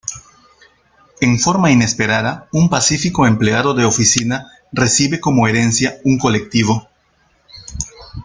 En forma inesperada un pacífico empleado de oficina recibe como herencia un colectivo.